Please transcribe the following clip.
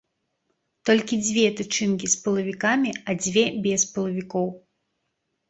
Толькі дзве тычынкі з пылавікамі, а дзве без пылавікоў.